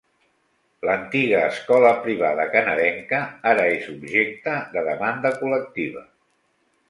L'antiga escola privada canadenca ara és objecte de demanda col·lectiva.